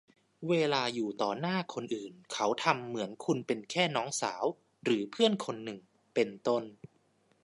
เวลาอยู่ต่อหน้าคนอื่นเขาทำเหมือนคุณเป็นแค่น้องสาวหรือเพื่อนคนหนึ่ง เป็นต้น